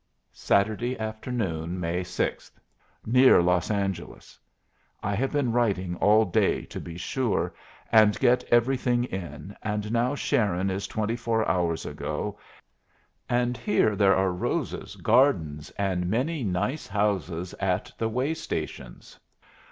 Saturday afternoon, May 6. Near Los Angeles. I have been writing all day, to be sure and get everything in, and now Sharon is twenty four hours ago, and here there are roses, gardens, and many nice houses at the way stations.